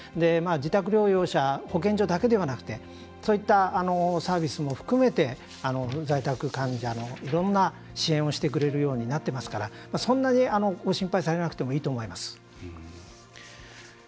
自宅療養者保健所だけではなくてそういったサービスも含めて在宅患者のいろんな支援をしてくれるようになってますからそんなにご心配されなくてもいいと思います。